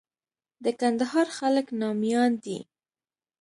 د کندهار خلک ناميان دي.